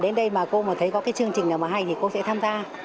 đến đây mà cô mà thấy có cái chương trình nào mà hay thì cô sẽ tham gia